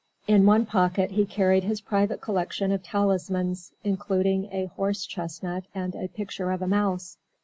In one pocket he carried his private collection of talismans, including a horse chestnut and a picture of a mouse.